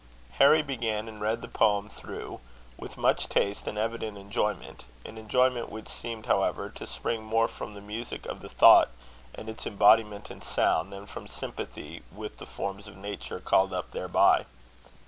Harry began, and read the poem through, with much taste and evident enjoyment; an enjoyment which seemed, however, to spring more from the music of the thought and its embodiment in sound, than from sympathy with the forms of nature called up thereby.